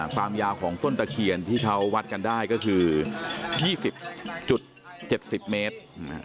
ความยาวของต้นตะเคียนที่เขาวัดกันได้ก็คือ๒๐๗๐เมตร